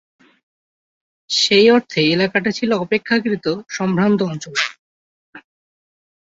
সেই অর্থে এলাকাটি ছিল অপেক্ষাকৃত সম্ভ্রান্ত অঞ্চল।